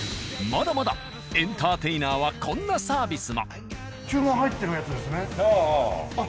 まだまだエンターテイナーはこんなサービスも。ああああ。